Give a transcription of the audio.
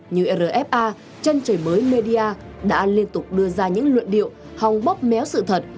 như rfa chân trời mới media đã liên tục đưa ra những luận điệu hòng bóp méo sự thật